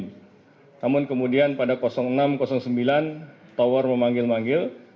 namun kemudian pada enam sembilan tower memanggil manggil